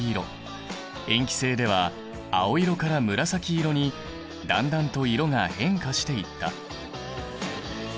塩基性では青色から紫色にだんだんと色が変化していった。